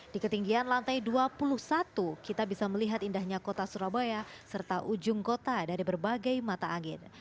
di ketinggian lantai dua puluh satu kita bisa melihat indahnya kota surabaya serta ujung kota dari berbagai mata angin